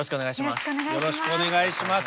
よろしくお願いします。